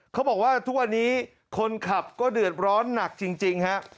เขาบอกว่าทุกวันนี้คนขับก็เดือดร้อนหนักจริงฮะ